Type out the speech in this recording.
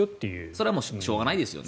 それはしょうがないですよね。